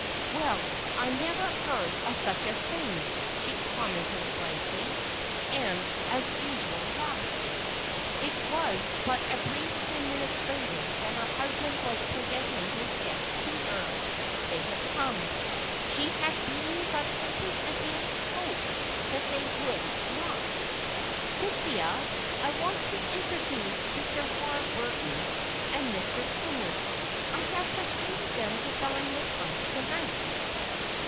"Well, I never heard of such a thing!" she commented blankly, and, as usual, laughed. It was but a brief ten minutes later that her husband was presenting his guests to her—they had come! She had been but hoping against hope that they would not. "Cynthia, I want to introduce Mr. Warburton and Mr. Kennard. I have persuaded them to dine with us to night."